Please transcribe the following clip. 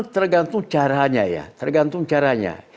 tergantung caranya ya tergantung caranya